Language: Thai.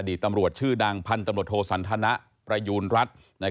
ตำรวจชื่อดังพันธุ์ตำรวจโทสันทนะประยูณรัฐ